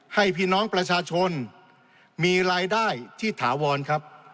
ให้พี่น้องประชาชนมีรายได้ที่ถาวรครับ